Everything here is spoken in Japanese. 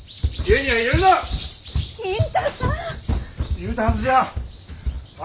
言うたはずじゃあ。